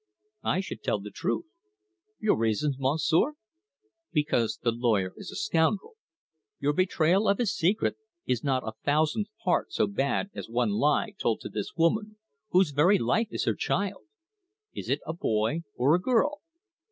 "I should tell the truth." "Your reasons, Monsieur?" "Because the lawyer is a scoundrel. Your betrayal of his secret is not a thousandth part so bad as one lie told to this woman, whose very life is her child. Is it a boy or a girl?"